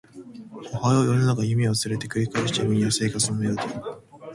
おはよう世の中夢を連れて繰り返した夢には生活のメロディ